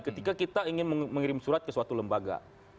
ketika kita ingin mengirim surat ke suatu lembaga